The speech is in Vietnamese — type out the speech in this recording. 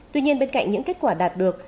tuy nhiên bên cạnh những kết quả đạt được